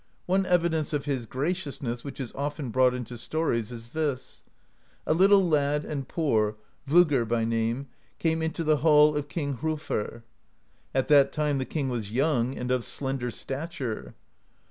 One evidence of his graciousness which is often brought into stories is this: A little lad and poor, Voggr by name, came into the hall of King Hrolfr. At that time the king was young, and of slender stature.